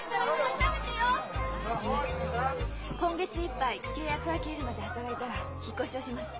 今月いっぱい契約が切れるまで働いたら引っ越しをします。